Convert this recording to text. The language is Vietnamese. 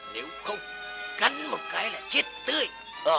nếu không cắn một cái là chết tươi